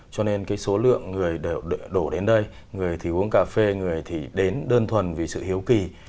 cho nên cái số lượng người đổ đến đây người thì uống cà phê người thì đến đơn thuần vì sự hiếu kỳ